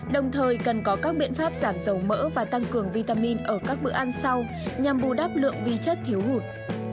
đồng thời cần có các biện pháp giảm dầu mỡ và tăng cường vitamin ở các bữa ăn sau nhằm bù đắp lượng vi chất thiếu hụt